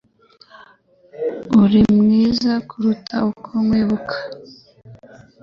Urimwiza kuruta uko nkwibuka.